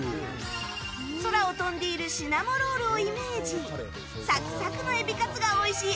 空を飛んでいるシナモロールをイメージサクサクのエビカツがおいしい